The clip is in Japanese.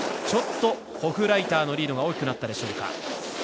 ちょっとホフライターのリードが大きくなったでしょうか。